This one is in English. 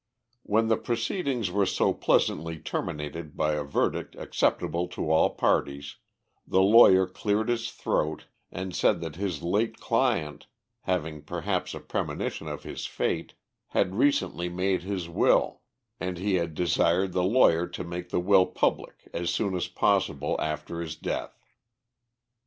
When the proceedings were so pleasantly terminated by a verdict acceptable to all parties, the lawyer cleared his throat and said that his late client, having perhaps a premonition of his fate, had recently made his will, and he had desired the lawyer to make the will public as soon as possible after his death.